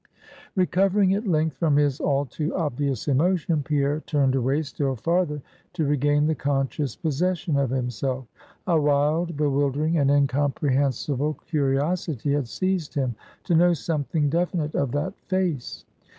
Recovering at length from his all too obvious emotion, Pierre turned away still farther, to regain the conscious possession of himself. A wild, bewildering, and incomprehensible curiosity had seized him, to know something definite of that face.